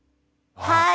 はい。